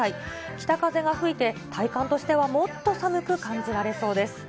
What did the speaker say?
北風が吹いて、体感としてはもっと寒く感じられそうです。